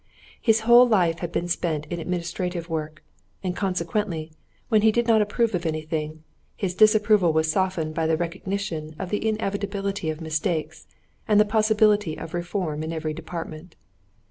His whole life had been spent in administrative work, and consequently, when he did not approve of anything, his disapproval was softened by the recognition of the inevitability of mistakes and the possibility of reform in every department.